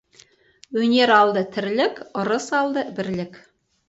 Өнер алды — тірлік, ырыс алды — бірлік.